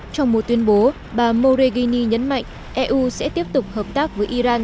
trong một tuyên bố bà moregini nhấn mạnh eu sẽ tiếp tục hợp tác với iran